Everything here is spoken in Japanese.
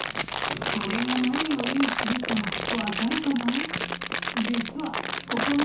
これが何を意味するかわかるかな？